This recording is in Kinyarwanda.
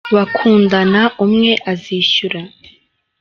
bakundana umwe azishyura.